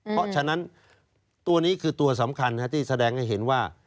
เพราะฉะนั้นตัวนี้คือตัวสำคัญที่แสดงให้เห็นว่า